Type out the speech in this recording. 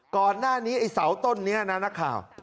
ก่อนหน้านี้ไอ้เสาต้นนี้นั้นนะครับ